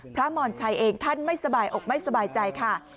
มรชัยเองท่านไม่สบายอกไม่สบายใจค่ะ